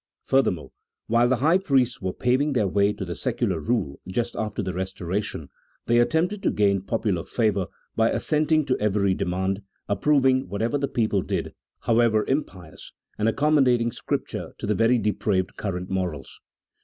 Furthermore, while the high priests were paving their way to the secular rule just after the restoration, they attempted to gain popular favour by assenting to every demand ; approving whatever the people did, however impious, and accommo dating Scripture to the very depraved current morals.